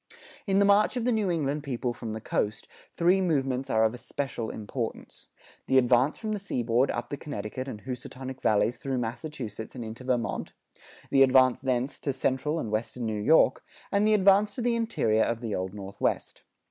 In the march of the New England people from the coast, three movements are of especial importance: the advance from the seaboard up the Connecticut and Housatonic Valleys through Massachusetts and into Vermont; the advance thence to central and western New York; and the advance to the interior of the Old Northwest.